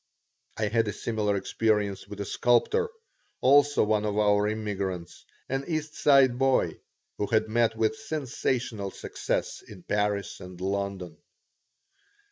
I had a similar experience with a sculptor, also one of our immigrants, an East Side boy who had met with sensational success in Paris and London.